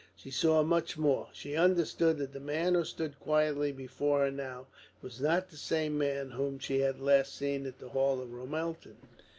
She saw much more. She understood that the man who stood quietly before her now was not the same man whom she had last seen in the hall of Ramelton.